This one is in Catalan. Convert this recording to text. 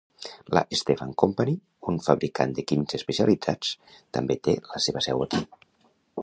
La Stepan Company, un fabricant de químics especialitzats, també té la seva seu aquí.